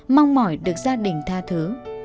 mong mỏi được gia đình tha thứ